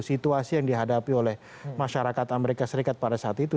situasi yang dihadapi oleh masyarakat amerika serikat pada saat itu